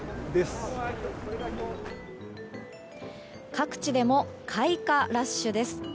各地でも開花ラッシュです。